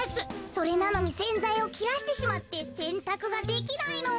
それなのにせんざいをきらしてしまってせんたくができないの。